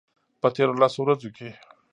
په تیرو لسو ورځو کې